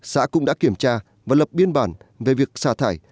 xã cũng đã kiểm tra và lập biên bản về việc xả thải